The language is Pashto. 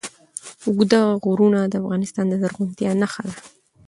اوږده غرونه د افغانستان د زرغونتیا نښه ده.